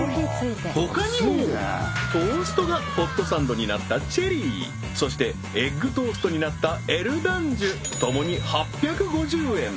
ほかにもトーストがホットサンドになったチェリーそしてエッグトーストになったエルダンジュともに８５０円